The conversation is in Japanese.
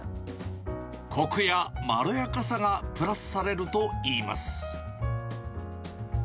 こくやまろやかさがプラスされるといいます。